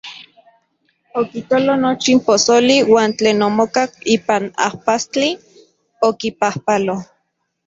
Okitolo nochi posoli uan tlen omokak ipan ajpastli, okipajpalo.